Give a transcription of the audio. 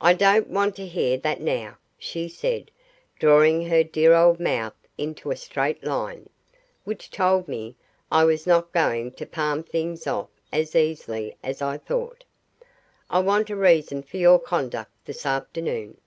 "I don't want to hear that now," she said, drawing her dear old mouth into a straight line, which told me I was not going to palm things off as easily as I thought. "I want a reason for your conduct this afternoon."